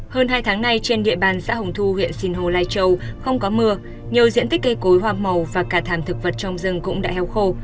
hơn hai tháng nay trên địa bàn xã hồng thu huyện sinh hồ lai châu không có mưa nhiều diện tích cây cối hoa màu và cả thàn thực vật trong rừng cũng đã heo khô